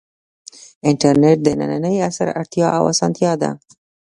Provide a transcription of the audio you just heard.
انټرنیټ د ننني عصر اړتیا او اسانتیا ده.